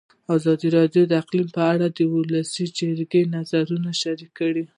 ازادي راډیو د اقلیم په اړه د ولسي جرګې نظرونه شریک کړي.